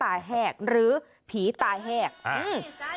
ไปถ่วยให้ตาแห้งหรือผีตาแห้ง